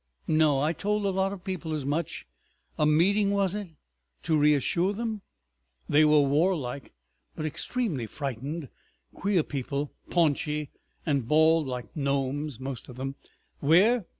No! I told a lot of people as much—a meeting was it?—to reassure them. They were warlike but extremely frightened. Queer people—paunchy and bald like gnomes, most of them. Where?